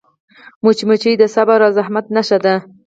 مچمچۍ د صبر او زحمت نښه ده